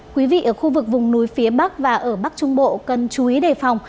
quý vị ở khu vực vùng núi phía bắc và ở bắc trung bộ cần chú ý đề phòng